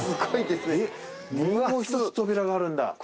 もう１つ扉があるんだ。